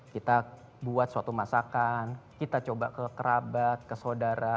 kita buat suatu masakan kita coba ke kerabat ke saudara